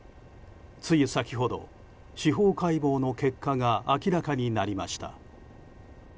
つい先ほど、司法解剖の結果が明らかになりました。